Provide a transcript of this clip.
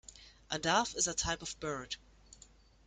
A Dove is a type of bird.